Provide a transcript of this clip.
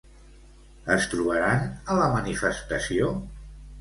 Es trobaran a la manifestació?